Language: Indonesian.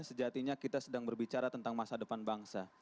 sejatinya kita sedang berbicara tentang masa depan bangsa